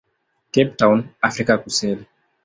Cape Town, Afrika Kusini.